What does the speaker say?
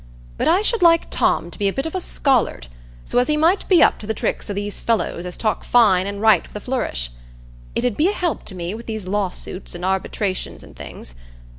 But I should like Tom to be a bit of a scholard, so as he might be up to the tricks o' these fellows as talk fine and write with a flourish. It 'ud be a help to me wi' these lawsuits, and arbitrations, and things.